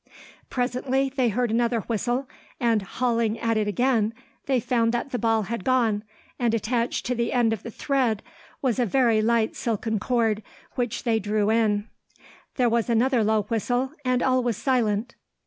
Presently, they heard another whistle and, hauling at it again, they found that the ball had gone, and attached to the end of the thread was a very light silken cord, which they drew in. There was another low whistle, and all was silent.